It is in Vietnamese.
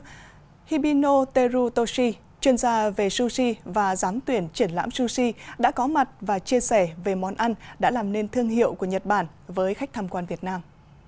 nhật bản tại việt nam tổ chức giáo sư hibino terutoshi chuyên gia về sushi và giám tuyển triển lãm sushi đã có mặt và chia sẻ về món ăn đã làm nên thương hiệu của nhật bản với khách tham quan việt nam